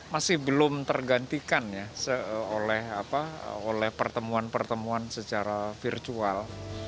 masih belum tergantikan oleh pertemuan pertemuan secara virtual